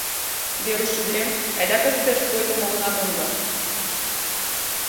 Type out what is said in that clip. — Веруш ӱдырем, айда кызытеш пуэтым огына кондо.